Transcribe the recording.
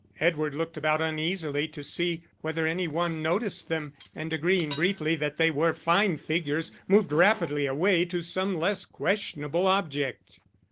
Edward looked about uneasily to see whether any one noticed them, and agreeing briefly that they were fine figures, moved rapidly away to some less questionable object.